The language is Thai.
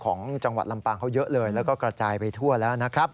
ของจังหวัดลำปางเขาเยอะเลยแล้วก็กระจายไปทั่วแล้วนะครับ